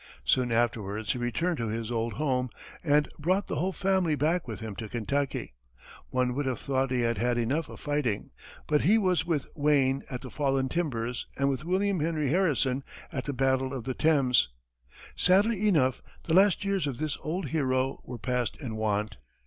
Soon afterwards he returned to his old home, and brought the whole family back with him to Kentucky. One would have thought he had had enough of fighting, but he was with Wayne at the Fallen timbers and with William Henry Harrison at the battle of the Thames. Sadly enough, the last years of this old hero were passed in want.